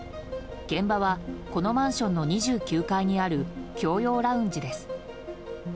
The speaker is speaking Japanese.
現場はこのマンションの２９階にある共用ラウンジです。